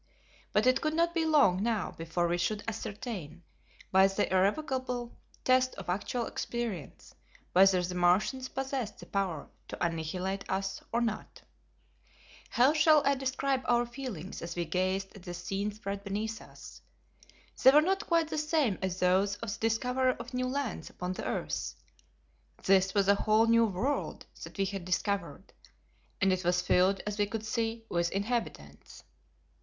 But it could not be long now before we should ascertain, by the irrevocable test of actual experience, whether the Martians possessed the power to annihilate us or not. How shall I describe our feelings as we gazed at the scene spread beneath us? They were not quite the same as those of the discoverer of new lands upon the earth. This was a whole new world that we had discovered, and it was filled, as we could see, with inhabitants.